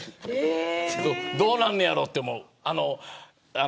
どうなんねやろと思う。